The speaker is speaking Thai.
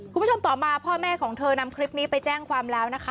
คุณผู้ชมต่อมาพ่อแม่ของเธอนำคลิปนี้ไปแจ้งความแล้วนะคะ